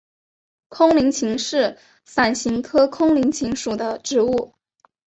空棱芹是伞形科空棱芹属的植物。